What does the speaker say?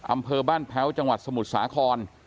อำเภอบ้านแพ้วจังหวัดสมุทรสาคร